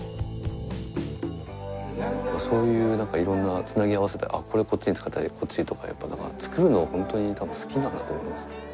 そういうなんか色んなつなぎ合わせて「あっこれこっちに使ったりこっち」とかやっぱり作るのが本当に多分好きなんだと思います。